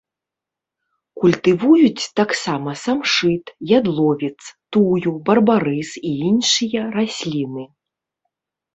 Культывуюць таксама самшыт, ядловец, тую, барбарыс і іншыя расліны.